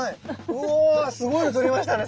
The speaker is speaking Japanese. うぉすごいの撮りましたね。